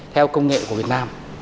theo công nghệ của việt nam